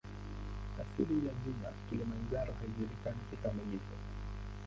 Asili ya jina "Kilimanjaro" haijulikani kikamilifu.